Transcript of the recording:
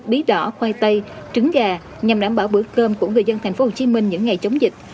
bí đỏ khoai tây trứng gà nhằm đảm bảo bữa cơm của người dân tp hcm những ngày chống dịch